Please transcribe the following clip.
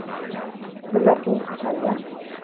Nola hartu duzu saria?